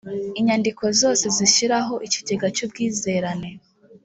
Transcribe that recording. inyandiko zose zishyiraho ikigega cy ubwizerane